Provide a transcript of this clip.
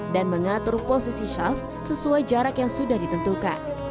dan mengatur posisi shaft sesuai jarak yang sudah ditentukan